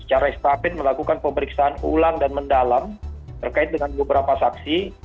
secara estafet melakukan pemeriksaan ulang dan mendalam terkait dengan beberapa saksi